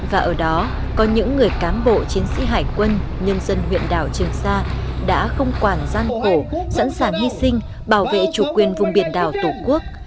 và ở đó có những người cám bộ chiến sĩ hải quân nhân dân huyện đảo trường sa đã không quản gian khổ sẵn sàng hy sinh bảo vệ chủ quyền vùng biển đảo tổ quốc